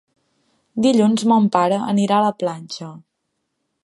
Dilluns mon pare anirà a la platja.